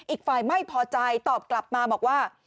อีกฝ่ายไม่พอใจตอบกลับมาบอกว่า